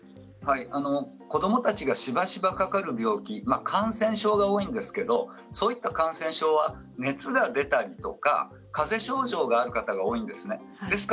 子どもたちがしばしばかかる病気感染症が多いんですけどそういった感染症は熱が出たりかぜ症状がある方が多いんです。